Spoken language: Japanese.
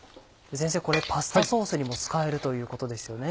先生これパスタソースにも使えるということですよね。